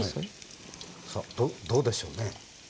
さあどうでしょうね。